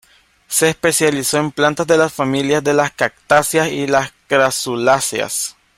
Se especializó en plantas de las familias de las cactáceas y crasuláceas.